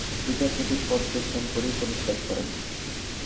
বিচারপতির পদ যোগদান করেই পদত্যাগ করেন।